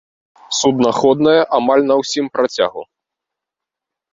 Суднаходная амаль на ўсім працягу.